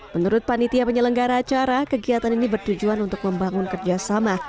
menurut panitia penyelenggara acara kegiatan ini bertujuan untuk membangun kerjasama